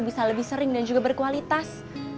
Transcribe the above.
bisa lebih sering dan juga berkualitas